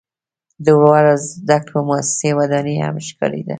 د لوړو زده کړو موسسې ودانۍ هم ښکاریده.